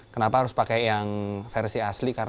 kenapa harus pakai yang versi asli